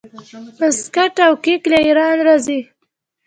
بسکیټ او کیک له ایران راځي.